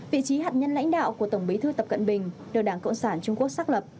vị trí hạt nhân lãnh đạo của tổng bí thư tập cận bình được đảng cộng sản trung quốc xác lập